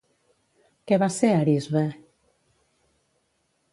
Què va ser Arisbe?